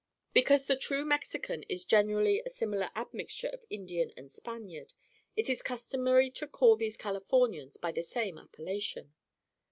Because the true Mexican is generally a similar admixture of Indian and Spaniard, it is customary to call these Californians by the same appellation.